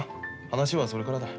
話はそれからだ。